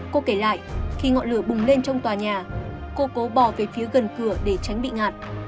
cô kể lại khi ngọn lửa bùng lên trong tòa nhà cô cố bỏ về phía gần cửa để tránh bị ngạt